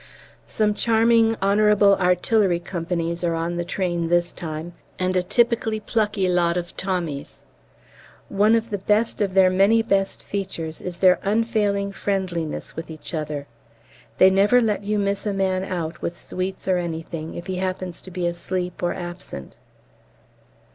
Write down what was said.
Some charming H.A.C.'s are on the train this time, and a typically plucky lot of Tommies. One of the best of their many best features is their unfailing friendliness with each other. They never let you miss a man out with sweets or anything if he happens to be asleep or absent.